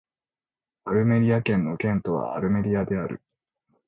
アルメリア県の県都はアルメリアである